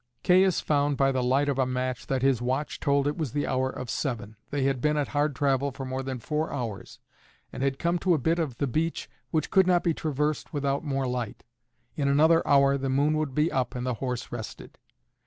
Caius found by the light of a match that his watch told it was the hour of seven; they had been at hard travel for more than four hours, and had come to a bit of the beach which could not be traversed without more light. In another hour the moon would be up and the horse rested.